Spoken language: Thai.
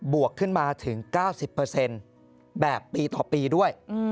บวกขึ้นมาถึง๙๐เปอร์เซ็นต์แบบปีต่อปีด้วย